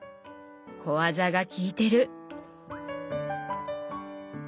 小技が利いてる！